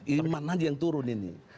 iman aja yang turun ini